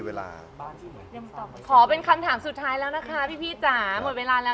หมดเวลาแล้วจริงนะคะ